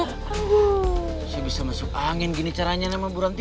angguh saya bisa masuk angin gini caranya emang bu ranti